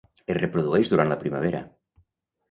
Es reprodueix durant la primavera.